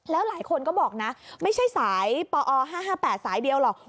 แล้วหลายคนก็บอกนะไม่ใช่สายปอ๕๕๘สายเดียวหรอก